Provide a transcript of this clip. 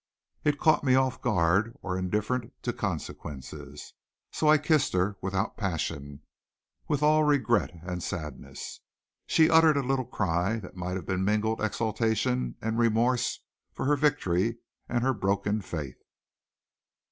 It caught me off guard or indifferent to consequences. So I kissed her, without passion, with all regret and sadness. She uttered a little cry that might have been mingled exultation and remorse for her victory and her broken faith.